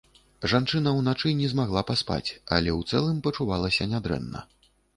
Жанчына ўначы не змагла паспаць, але ў цэлым пачувалася нядрэнна.